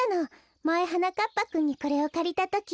まえはなかっぱくんにこれをかりたとき。